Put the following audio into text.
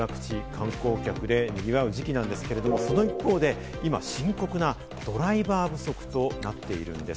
秋の行楽地、観光客で賑わう時期なんですけれども、その一方で今、深刻なドライバー不足となっているんです。